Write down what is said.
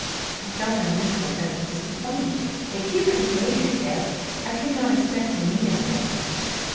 I felt a miserable sense of disappointment. If he were the Frasers' guest I could not expect to meet him again.